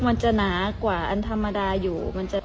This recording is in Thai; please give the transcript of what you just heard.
มันจะหนากว่าอันธรรมดาอยู่